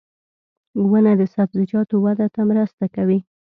• ونه د سبزیجاتو وده ته مرسته کوي.